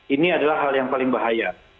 ini adalah hal yang paling bahaya